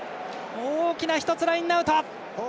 大きな１つ、ラインアウト。